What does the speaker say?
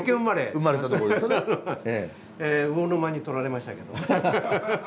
魚沼にとられましたけど。